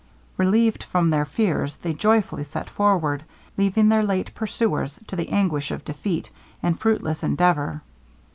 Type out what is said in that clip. Relieved from their fears, they joyfully set forward, leaving their late pursuer to the anguish of defeat, and fruitless endeavour.